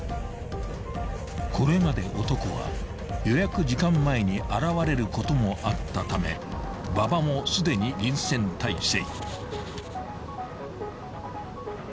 ［これまで男は予約時間前に現れることもあったため馬場もすでに臨戦態勢］